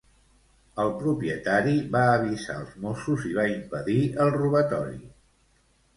El propietari va avisar els mossos i va impedir el robatori.